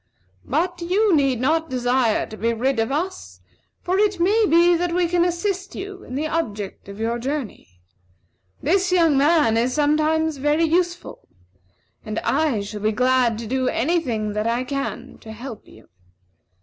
But you need not desire to be rid of us, for it may be that we can assist you in the object of your journey. This young man is sometimes very useful, and I shall be glad to do any thing that I can to help you.